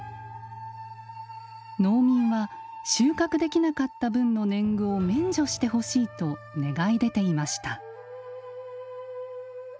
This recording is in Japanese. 農民は収穫できなかった分の年貢を免除してほしいと願い出ていました。